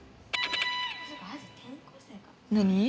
何？